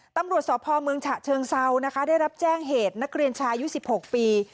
ตำรวจสพเมืองฉะเชิงเซานะคะได้รับแจ้งเหตุนักเรียนชายุ๑๖ปี